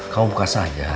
kamu buka saja